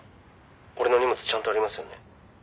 俺の荷物ちゃんとありますよね？」